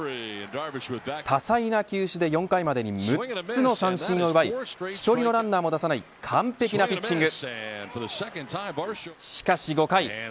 多彩な球種で４回までに６つの三振を奪い１人のランナーも出さない完璧なピッチング。